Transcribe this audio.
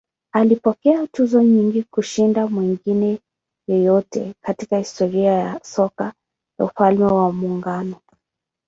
Alipokea tuzo nyingi kushinda mwingine yeyote katika historia ya soka ya Ufalme wa Muungano.